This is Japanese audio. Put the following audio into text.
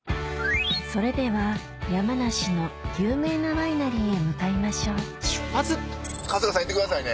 それでは山梨の有名なワイナリーへ向かいましょう春日さん行ってくださいね。